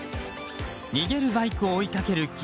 逃げるバイクを追いかける